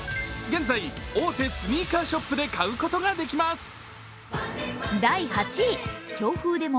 現在、大手スニーカーショップで買うことができます。